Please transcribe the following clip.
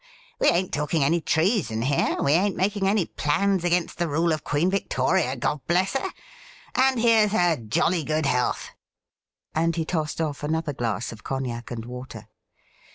We ain't talking any treason here, we ain't making any plans against the rule of Queen Victoria, God bless her ! and here's her jolly good health ;' and he tossed off another glass of cognac and water.